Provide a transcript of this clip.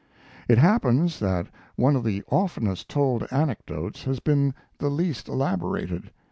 It happens that one of the oftenest told anecdotes has been the least elaborated.